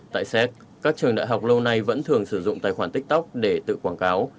tại séc các trường đại học lâu nay vẫn thường sử dụng tài khoản tiktok để tự quảng cáo